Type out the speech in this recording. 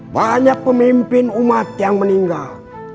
banyak pemimpin umat yang meninggal